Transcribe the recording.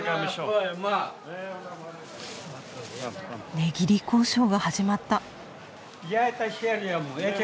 値切り交渉が始まった。